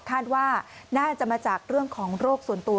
คาดว่าน่าจะมาจากเรื่องของโรคส่วนตัว